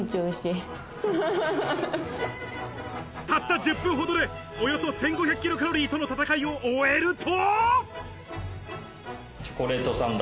たった１０分ほどで、およそ１５００ｋｃａｌとの戦いを終えると。